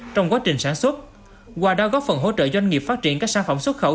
trong quá trình sản xuất qua đó góp phần hỗ trợ doanh nghiệp phát triển các sản phẩm xuất khẩu